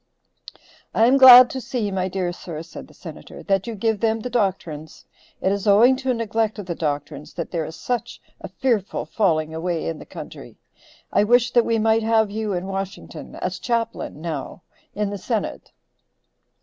"I am glad to see, my dear sir," said the Senator, "that you give them the doctrines. It is owing to a neglect of the doctrines, that there is such a fearful falling away in the country. I wish that we might have you in Washington as chaplain, now, in the senate."